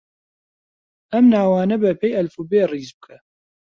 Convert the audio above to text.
ئەم ناوانە بەپێی ئەلفوبێ ڕیز بکە.